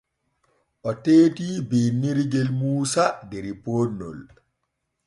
O teetii binnirgel Muusa der ponnol.